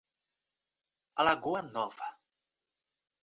Alagoa Nova